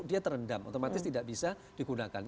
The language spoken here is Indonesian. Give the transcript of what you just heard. dia terendam otomatis tidak bisa digunakan